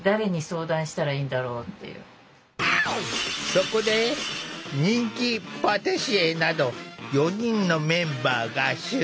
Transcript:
そこで人気パティシエなど４人のメンバーが集結！